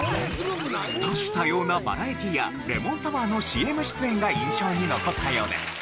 多種多様なバラエティーやレモンサワーのＣＭ出演が印象に残ったようです。